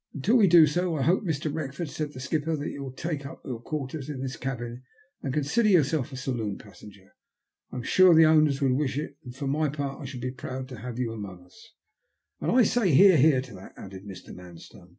" Until we do so, I hope, Mr. Wrexford," said the skipper, " that you will take up your quarters in this cabin, and consider yourself a saloon passenger. I'm sure the owners would wish it, and for my part I shall be proud to have you among us." " And I say ' Hear, hear !' to that," added Mr. Manstone.